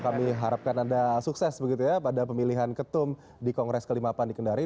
kami harapkan anda sukses begitu ya pada pemilihan ketum di kongres kelima pan di kendari